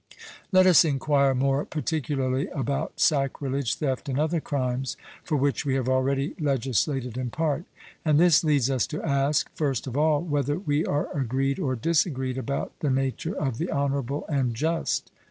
Let us enquire more particularly about sacrilege, theft and other crimes, for which we have already legislated in part. And this leads us to ask, first of all, whether we are agreed or disagreed about the nature of the honourable and just.